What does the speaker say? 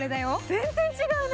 全然違うね。